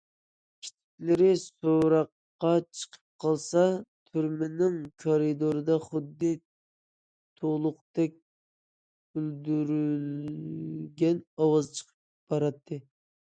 كېچىلىرى سوراققا چىقىپ قالسام، تۈرمىنىڭ كارىدورىدا خۇددى تۇلۇقتەك گۈلدۈرلىگەن ئاۋاز چىقىپ باراتتى.